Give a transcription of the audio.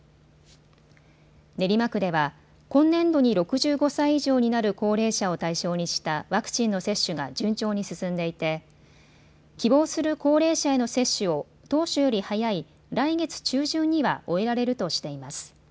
練馬区では今年度に６５歳以上になる高齢者を対象にしたワクチンの接種が順調に進んでいて希望する高齢者への接種を当初より早い来月中旬には終えられるとしています。